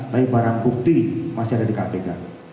tapi barang bukti masih ada di kpk